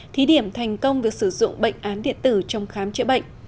thí điểm thành công việc sử dụng bệnh án điện tử trong khám chữa bệnh